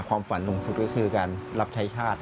ความฝันสูงสุดก็คือการรับใช้ชาติ